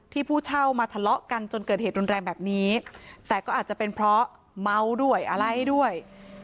ผู้เช่ามาทะเลาะกันจนเกิดเหตุรุนแรงแบบนี้แต่ก็อาจจะเป็นเพราะเมาด้วยอะไรด้วย